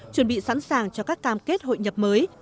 chuẩn bị sẵn sàng cho các cam kết hội nhập mới